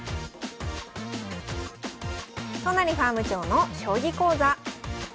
都成ファーム長の将棋講座。